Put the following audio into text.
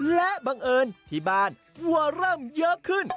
และบังเอิญที่บ้านวัวเริ่มเยอะขึ้น